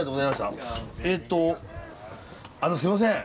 あのすいません。